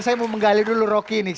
saya mau menggali dulu rocky ini